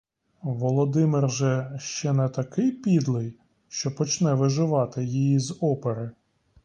Володимир же ще не такий підлий, що почне виживати її з опери?